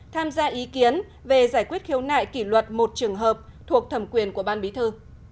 tham gia ý kiến về giải quyết khiếu nại kỷ luật một trường hợp thuộc thẩm quyền của ban bí thư